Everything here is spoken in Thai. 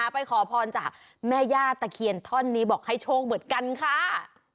ไปขอพรจากแม่ย่าตะเคียนท่อนนี้บอกให้โชคเหมือนกันค่ะ